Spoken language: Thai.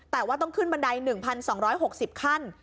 แต่ว่าต้องขึ้นบันได๑๒๖๐ขั้น